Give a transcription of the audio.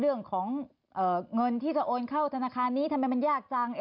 เรื่องของเงินที่จะโอนเข้าธนาคารนี้ทำไมมันยากจัง